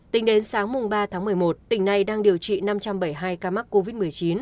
tính đến sáng ba tháng một mươi một tỉnh này đang điều trị năm trăm bảy mươi hai ca mắc covid một mươi chín